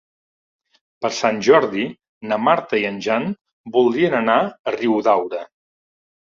Per Sant Jordi na Marta i en Jan voldrien anar a Riudaura.